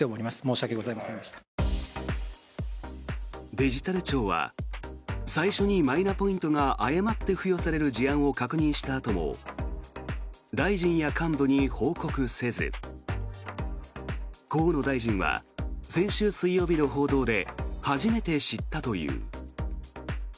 デジタル庁は最初にマイナポイントが誤って付与される事案を確認したあとも大臣や幹部に報告せず河野大臣は先週水曜日の報道で初めて知ったという。